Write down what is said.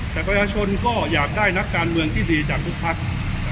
แต่ประชาชนก็อยากได้นักการเมืองที่ดีจากทุกพัก